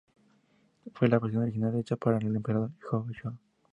Fue la versión original hecha para el Emperador Gojong.